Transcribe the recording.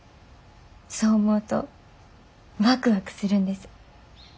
そう思うとワクワクするんです。